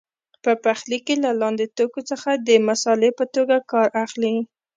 په پخلي کې له لاندې توکو څخه د مسالې په توګه کار اخلي.